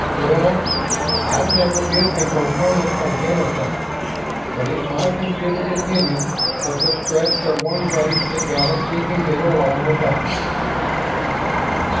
"Well, I've never been a proponent of genocide. But it's my considered opinion that the Stretts are one race the galaxy can get along without."